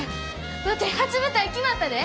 ワテ初舞台決まったで！